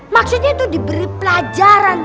maksudnya itu diberi pelajaran